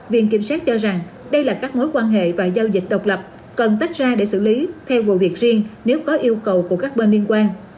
viện kiểm sát cho rằng đây là các mối quan hệ và giao dịch độc lập cần tách ra để xử lý theo vụ việc riêng nếu có yêu cầu của các bên liên quan